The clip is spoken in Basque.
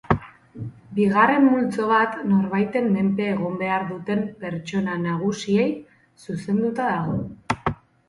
Bigarren multzo bat norbaiten menpe egon behar duten pertsona nagusiei zuzenduta dago.